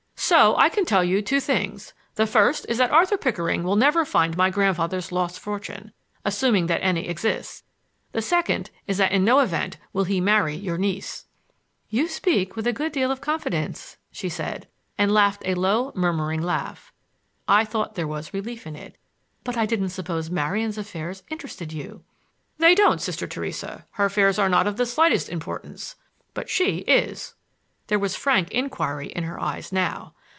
"So I can tell you two things. The first is that Arthur Pickering will never find my grandfather's lost fortune, assuming that any exists. The second is that in no event will he marry your niece." "You speak with a good deal of confidence," she said, and laughed a low murmuring laugh. I thought there was relief in it. "But I didn't suppose Marian's affairs interested you." "They don't, Sister Theresa. Her affairs are not of the slightest importance,—but she is!" There was frank inquiry in her eyes now.